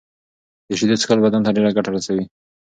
د شېدو څښل بدن ته ډيره ګټه رسوي.